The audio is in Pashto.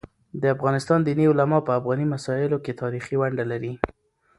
د افغانستان دیني علماء په افغاني مسايلو کيتاریخي ونډه لري.